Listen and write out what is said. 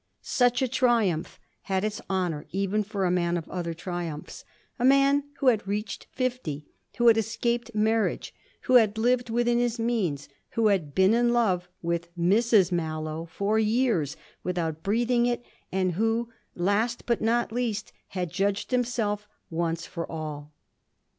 Such a triumph had its honour even for a man of other triumphs a man who had reached fifty, who had escaped marriage, who had lived within his means, who had been in love with Mrs Mallow for years without breathing it, and who, last but not least, had judged himself once for all.